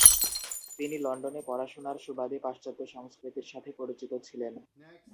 তিনি লন্ডনে পড়াশুনার সুবাদে পাশ্চাত্য সংস্কৃতির সাথে পরিচিত ছিলেন।